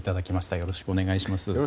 よろしくお願いします。